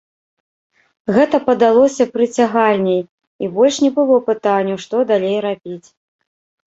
Гэта падалося прыцягальней, і больш не было пытанняў, што далей рабіць.